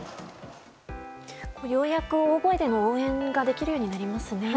ようやく大声での応援ができるようになりますね。